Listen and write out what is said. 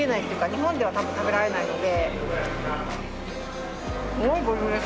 日本では多分食べられないので。